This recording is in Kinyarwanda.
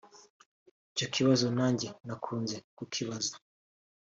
Icyo kibazo nanjye nakunze kukibaza